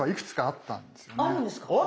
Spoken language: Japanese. あったんですか！